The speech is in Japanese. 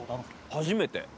初めて。